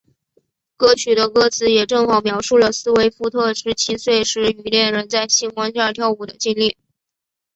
歌曲的歌词也正好描述了斯威夫特十七岁时与恋人在星光下跳舞的经历。